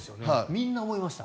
みんな思いました。